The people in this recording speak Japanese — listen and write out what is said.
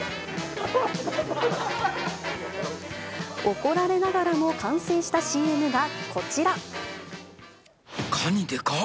怒られながらも完成したＣＭカニでかっ！